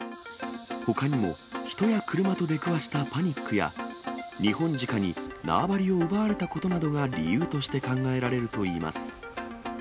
ほかにも、人や車と出くわしたパニックや、ニホンジカに縄張りを奪われたことが理由として考えられるといいます。